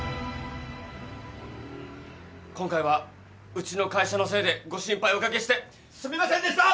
今回はうちの会社のせいでご心配をお掛けしてすみませんでした！